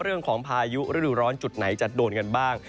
พายุฤดูร้อนจุดไหนจะโดนกันบ้าง